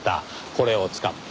これを使って。